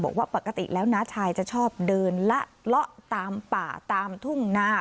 บอกว่าปกติแล้วน้าชายจะชอบเดินละเลาะตามป่าตามทุ่งนา